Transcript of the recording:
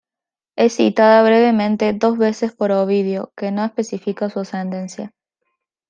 Es citada brevemente dos veces por Ovidio, que no especifica su ascendencia.